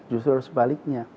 justru harus sebaliknya